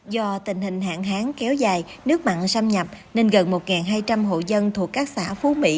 do tình hình hạn hán kéo dài nước mặn xâm nhập nên gần một hai trăm linh hộ dân thuộc các xã phú mỹ